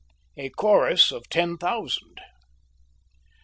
A Chorus of Ten Thousand.